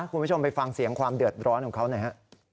คุณผู้ชมไปฟังเสียงความเดือดร้อนของเขาหน่อยฮะ